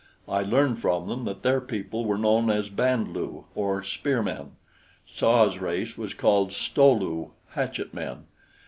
I learned from them that their people were known as Band lu, or spear men; Tsa's race was called Sto lu hatchet men.